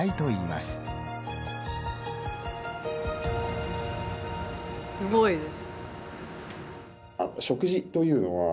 すごいです。